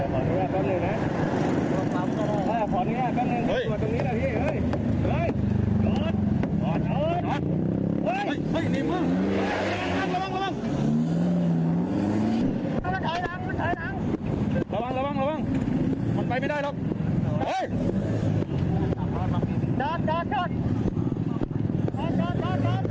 พอหนึ่งนะพอหนึ่งนะพอหนึ่งนะพอหนึ่งนะพอหนึ่งตรงนี้แหละเฮ้ย